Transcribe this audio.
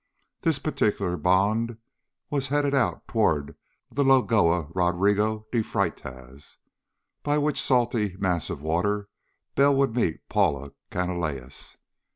This particular bonde was headed out toward the Lagoa Rodrigo de Freitas, by which salty mass of water Bell would meet Paula Canalejas.